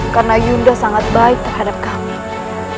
karena yunda sangat baik terhadap kami